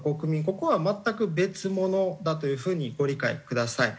ここは全く別物だという風にご理解ください。